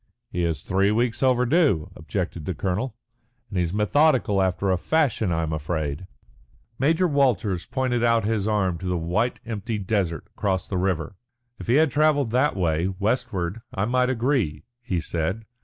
"He is three weeks overdue," objected the colonel, "and he's methodical after a fashion. I am afraid." Major Walters pointed out his arm to the white empty desert across the river. "If he had travelled that way, westward, I might agree," he said.